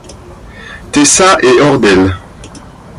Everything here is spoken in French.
Tessa est hors d'elle.